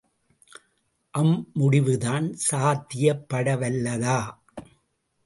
அம் முடிவுதான் சாத்தியப்படவல்லதா?